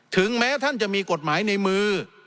ถึงแม้ท่านจะมีกฎหมายในมือ